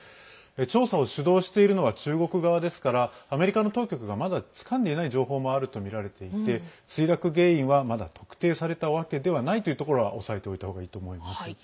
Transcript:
調査を主導しているのは中国側ですからアメリカの当局がまだつかんでいない情報もあるとみられていて墜落原因はまだ特定されたわけではないというところは押さえておいたほうがいいと思います。